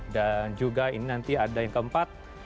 dan juga ini nanti ada yang keempat